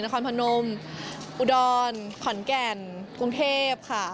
นะครพนมอุดรผ่อนแก่นกรุงเทพฯครับ